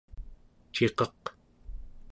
ciqeq